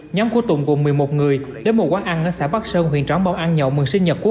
nhóm của tùng gồm một mươi một người đến một quán ăn ở xã bắc sơn huyện tróng bầu ăn nhậu mừng sinh nhật của